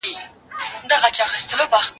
ما مخکي د سبا لپاره د نوي لغتونو يادونه کړې وه؟!